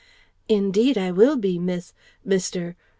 "Indeed I will be, Miss ... Mister